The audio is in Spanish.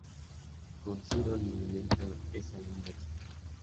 Con Ciro el movimiento es a la inversa.